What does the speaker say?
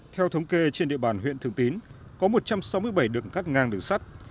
theo thống kê trên địa bàn huyện thường tín có một trăm sáu mươi bảy đường cắt ngang đường sắt